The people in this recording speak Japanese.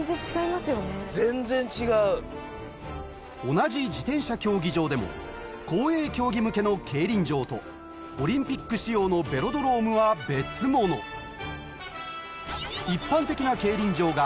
同じ自転車競技場でも公営競技向けの競輪場とオリンピック仕様のベロドロームは別物え？